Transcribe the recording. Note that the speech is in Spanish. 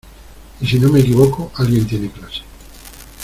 y si no me equivoco, alguien tiene clase